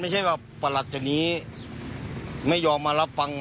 ไม่ใช่ว่าประหลัดจากนี้ไม่ยอมมารับฟัง